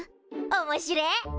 おもしれえ。